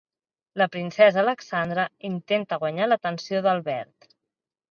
La princesa Alexandra intenta guanyar l'atenció d'Albert.